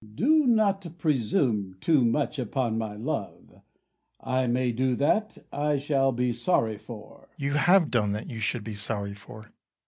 Cas. Do not presume too much upon my love; I may do that I shall be sorry for. Bru. You have done that you should be sorry for.